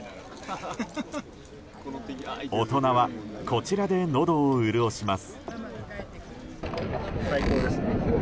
大人はこちらでのどを潤します。